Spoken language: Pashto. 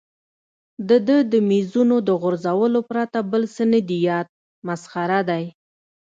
د ده د مېزونو د غورځولو پرته بل څه نه دي یاد، مسخره دی.